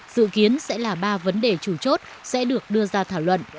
dự kiến sẽ là ba vấn đề chủ chốt sẽ được đưa ra thảo luận